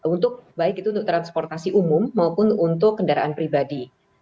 untuk baik itu untuk transportasi umum maupun untuk kendaraan pribadi